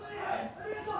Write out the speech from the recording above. ・ありがとう。